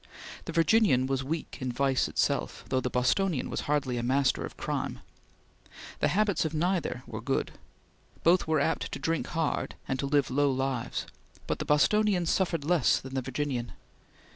The Virginian was weak in vice itself, though the Bostonian was hardly a master of crime. The habits of neither were good; both were apt to drink hard and to live low lives; but the Bostonian suffered less than the Virginian.